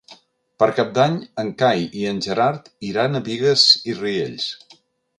Per Cap d'Any en Cai i en Gerard iran a Bigues i Riells.